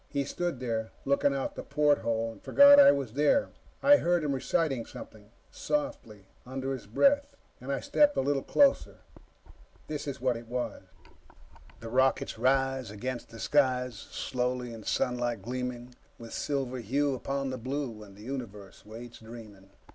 He stood there, looking out the porthole, and forgot I was there. I heard him reciting something, softly, under his breath, and I stepped a little closer. This is what it was: "_The rockets rise against the skies, Slowly; in sunlight gleaming With silver hue upon the blue. And the universe waits, dreaming.